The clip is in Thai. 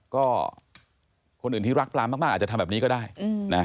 ก็คนอื่นที่รักปลามากอาจจะทำแบบนี้ก็ได้นะ